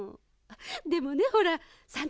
でもねほらさん